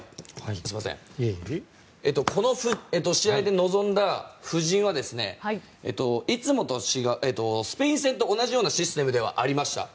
この試合で臨んだ布陣はスペイン戦と同じようなシステムではありました。